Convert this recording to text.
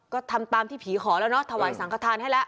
ก็ทำตามที่ผีขอแล้วเนาะถวายสังขทานให้แล้ว